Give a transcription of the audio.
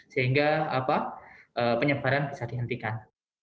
sehingga penyebaran bisa dihentikan